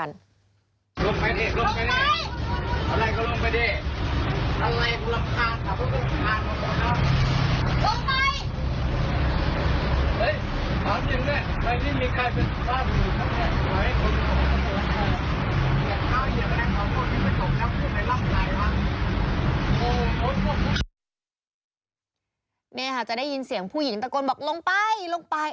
นี่ค่ะจะได้ยินเสียงผู้หญิงตะโกนบอกลงไปลงไป